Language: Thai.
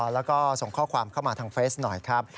แล้วก็ส่งข้อความเข้ามาทางเฟซหน่อยครับ